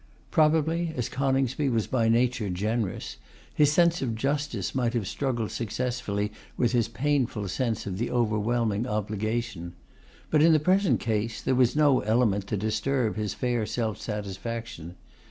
Probably, as Coningsby was by nature generous, his sense of justice might have struggled successfully with his painful sense of the overwhelming obligation. But in the present case there was no element to disturb his fair self satisfaction.